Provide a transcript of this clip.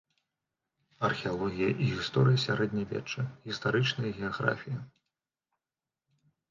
Археалогія і гісторыя сярэднявечча, гістарычная геаграфія.